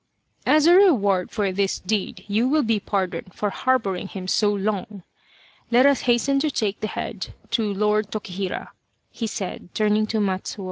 " As a reward for this deed, you will be pardoned for harbouring him so long ! Let us hasten to take the head to Lord Tokihira," he said, turning to Matsuo.